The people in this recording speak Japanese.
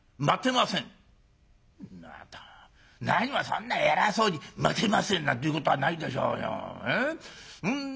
「また何もそんな偉そうに『待てません！』なんていうことはないでしょうよ。